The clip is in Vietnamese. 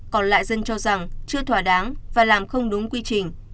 còn lại dân cho rằng chưa thỏa đáng và làm không đúng quy trình